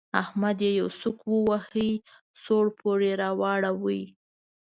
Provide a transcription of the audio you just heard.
احمد يې يو سوک وواهه؛ سوړ پوړ يې راواړاوو.